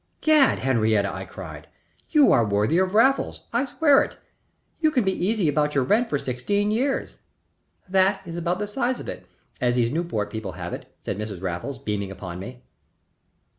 "Gad! Henriette," I cried. "You are worthy of Raffles, I swear it. You can be easy about your rent for sixteen years." "That is about the size of it, as these Newport people have it," said Mrs. Raffles, beaming upon me.